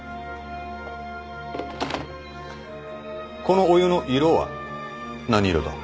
このお湯の色は何色だ？